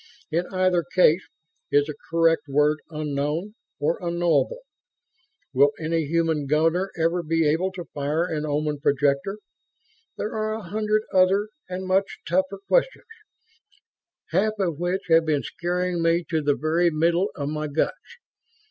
In either case, is the correct word 'unknown' or 'unknowable'? Will any human gunner ever be able to fire an Oman projector? There are a hundred other and much tougher questions, half of which have been scaring me to the very middle of my guts.